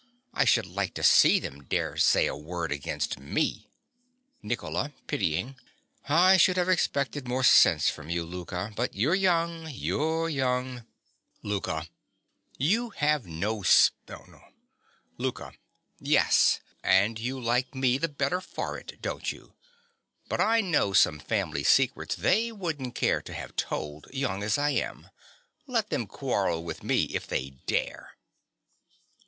I should like to see them dare say a word against me! NICOLA. (pityingly). I should have expected more sense from you, Louka. But you're young, you're young! LOUKA. Yes; and you like me the better for it, don't you? But I know some family secrets they wouldn't care to have told, young as I am. Let them quarrel with me if they dare!